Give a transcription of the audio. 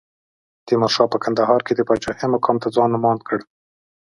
تیمورشاه په کندهار کې د پاچاهۍ مقام ته ځان نوماند کړ.